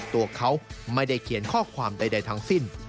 ตัวเขาไม่ได้เขียนข้อความใดทั้งสิ้น